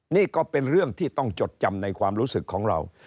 นี่ก็เป็นเรื่องที่ต้องจดจำในความรู้สึกของเรา